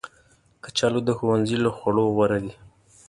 کچالو د ښوونځي له خوړو غوره دي